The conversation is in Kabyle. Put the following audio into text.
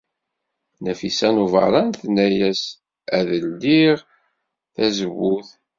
Nafisa n Ubeṛṛan tenna-as ad teldey tazewwut.